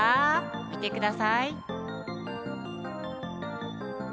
見てください。